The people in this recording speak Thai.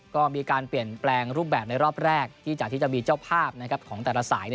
ก็มีการเปลี่ยนแปลงรูปแบบในรอบแรกที่จากที่จะมีเจ้าภาพของแต่ละสาย